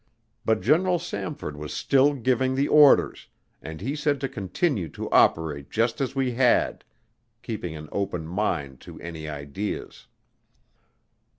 But General Samford was still giving the orders, and he said to continue to operate just as we had keeping an open mind to any ideas.